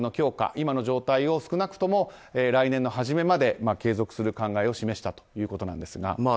今の状態を少なくとも来年の初めまで継続する考えを示したということなんですが。